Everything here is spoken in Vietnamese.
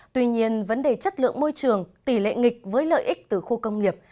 tuy nhiên vấn đề chất lượng môi trường tỷ lệ nghịch với lợi ích từ khu công nghiệp